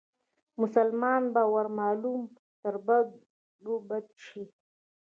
مسلمان به ور معلوم تر بدو بد شي